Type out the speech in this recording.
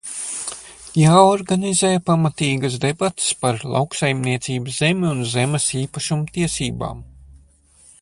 Jāorganizē pamatīgas debates par lauksaimniecības zemi un zemes īpašumtiesībām.